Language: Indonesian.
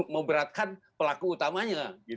memberatkan pelaku utamanya